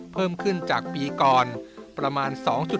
เพิ่มขึ้นจากปีก่อนประมาณ๒๕